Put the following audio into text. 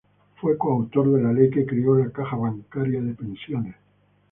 Fue coautor de la ley que creó la Caja Bancaria de Pensiones.